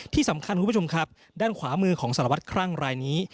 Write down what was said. ที่สำคัญคุณผู้ชมครับด้านขวามือของสารวัตรคลั่งรายนี้